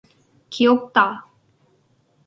기억나.